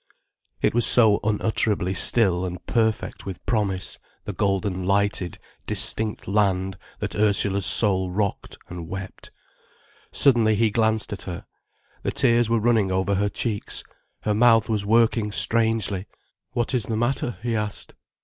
It was so unutterably still and perfect with promise, the golden lighted, distinct land, that Ursula's soul rocked and wept. Suddenly he glanced at her. The tears were running over her cheeks, her mouth was working strangely. "What is the matter?" he asked.